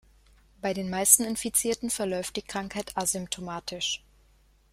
Bei den meisten Infizierten verläuft die Krankheit asymptomatisch.